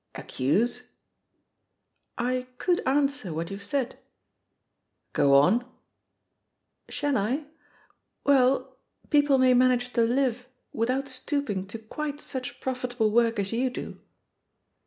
'* "Accuse?" "I could answer what youVe said.'* "Go onl" "Shall I? Well, people may manage to 'live* without stooping to quite such profitable work as you do."